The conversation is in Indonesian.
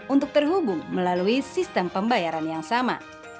untuk terhubung melalui sistem pembayaran yang sama